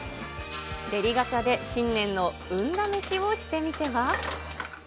デリガチャで新年の運試しをしてみては。